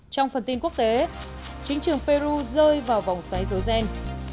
trong phần tin quốc tế chính trường peru rơi vào vòng xoáy dối ghen